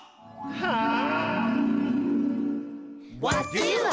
はあ。